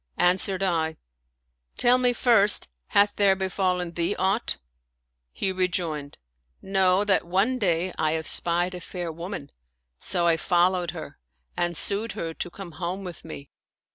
" Answered I, " Tell me first, hath there befallen thee aught ?" He rejoined : Know that one day I espied a fair woman ; so I followed her and sued her to come home with me.